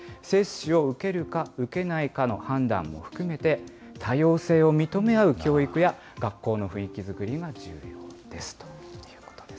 接種を受けるか受けないかの判断も含めて多様性を認め合う教育や、学校の雰囲気作りが重要です。